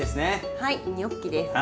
はいニョッキです。